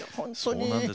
そうなんですよ。